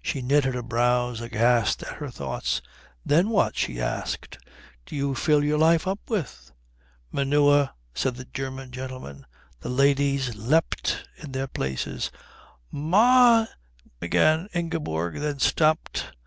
She knitted her brows, aghast at her thoughts. "Then what," she asked, "do you fill your life up with?" "Manure," said the German gentleman. The ladies leapt in their places. "Ma " began Ingeborg; then stopped.